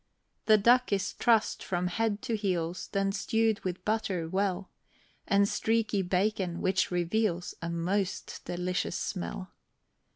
The duck is truss'd from head to heels, Then stew'd with butter well, And streaky bacon, which reveals A most delicious smell.